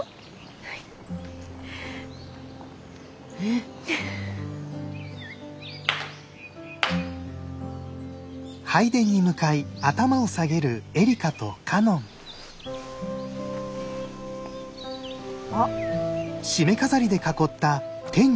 はい。えっ？あっ。